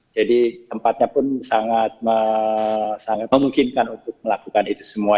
jadi tempatnya pun sangat memungkinkan untuk melakukan itu semua